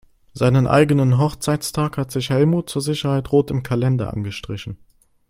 Seinen eigenen Hochzeitstag hat sich Helmut zur Sicherheit rot im Kalender angestrichen.